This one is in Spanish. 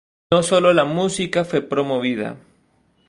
No solo la música fue promovida.